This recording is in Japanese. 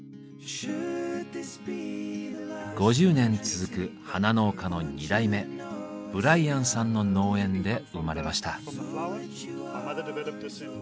５０年続く花農家の二代目ブライアンさんの農園で生まれました。